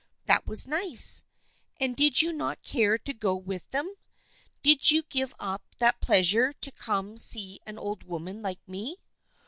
" That was nice. And did you not care to go with them ? Did you give up that pleasure to come see an old woman like me